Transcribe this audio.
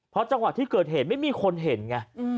เพราะจังหวะที่เกิดเหตุไม่มีคนเห็นไง